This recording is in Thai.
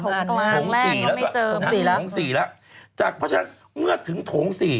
เพราะฉะนั้นเมื่อถึงโถง๔